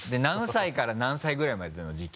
何歳から何歳ぐらいまでなの？